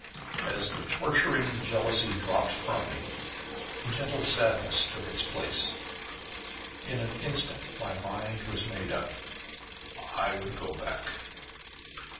As the torturing jealousy dropped from me, a gentle sadness took its place. In an instant my mind was made up. I would go back.